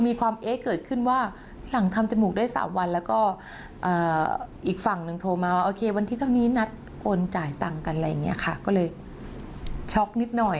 มีความเอ๊ะเกิดขึ้นว่าหลังทำจมูกได้๓วันแล้วก็อีกฝั่งนึงโทรมาว่าวันที่เธอมีนัดโอนจ่ายตังค์กันก็เลยช็อกนิดหน่อย